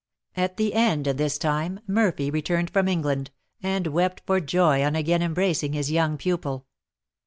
At the end of this time Murphy returned from England, and wept for joy on again embracing his young pupil.